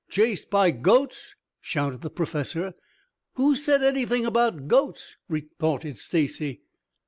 "Chased by goats?" shouted the Professor. "Who said anything about goats?" retorted Stacy.